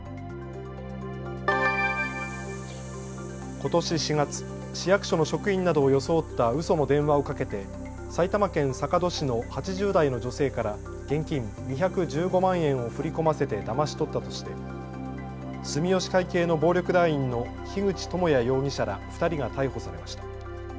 ことし４月、市役所の職員などを装ったうその電話をかけて埼玉県坂戸市の８０代の女性から現金２１５万円を振り込ませてだまし取ったとして住吉会系の暴力団員の樋口智也容疑者ら２人が逮捕されました。